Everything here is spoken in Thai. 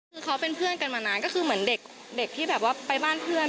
คือเขาเป็นเพื่อนกันมานานก็คือเหมือนเด็กที่แบบว่าไปบ้านเพื่อน